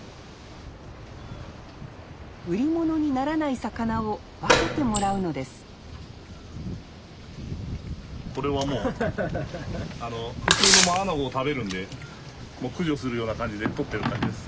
売り物にならない魚を分けてもらうのですこれはもう普通のマナアゴを食べるんでもう駆除するような感じでとってるだけです。